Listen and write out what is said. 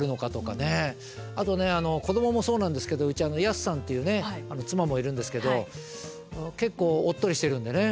あとね子どももそうなんですけどうち安さんという妻もいるんですけど結構おっとりしてるんでね。